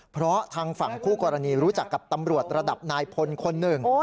เพราะทางฝั่งคู่กรณีรู้จักกับตำรวจระดับนายพลคนหนึ่ง